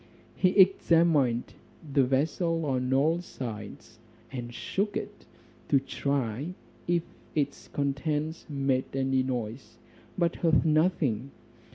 He examined the vessel on all sides, and shook it, to try if its contents made any noise, but heard nothing.